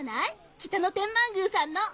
北野天満宮さんの。